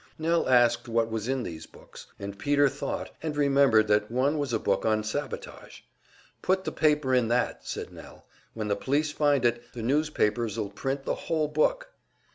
Nell asked what was in these books, and Peter thought, and remembered that one was a book on sabotage. "Put the paper in that," said Nell. "When the police find it, the newspapers'll print the whole book."